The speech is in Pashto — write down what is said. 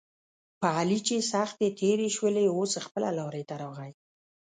په علي چې سختې تېرې شولې اوس خپله لارې ته راغی.